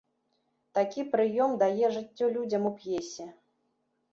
Такі прыём дае жыццё людзям у п'есе.